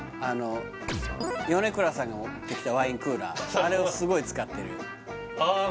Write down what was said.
米倉さんが持ってきたワインクーラーあれをすごい使ってるああ